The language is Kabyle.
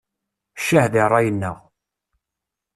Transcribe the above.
Ccah di ṛṛay-nneɣ!